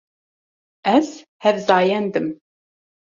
Ez hevzayend im.